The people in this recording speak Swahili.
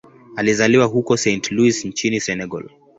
Alizaliwa huko Saint-Louis nchini Senegal.